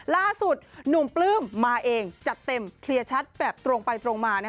ล่าสุดหนุ่มปลื้มมาเองจัดเต็มเคลียร์ชัดแบบตรงไปตรงมา